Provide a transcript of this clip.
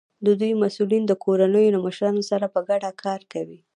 د دوی مسؤلین د کورنیو له مشرانو سره په ګډه کار کوي.